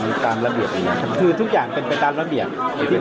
ทุกอย่างต้องเดินไปตามเนื้อส่วนของการพิสูจน์ความถูก